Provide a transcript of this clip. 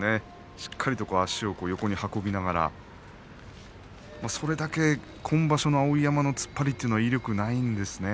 しっかりと足を横に運びながらそれだけ今場所の碧山の突っ張りというのは気力がないんですね。